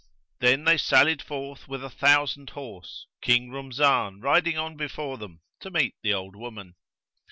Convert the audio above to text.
Then they sallied forth with a thousand horse, King Rumzan riding on before them, to meet the old woman.